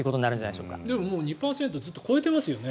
でも、２％をずっと超えてますよね。